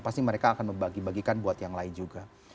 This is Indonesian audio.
pasti mereka akan membagi bagikan buat yang lain juga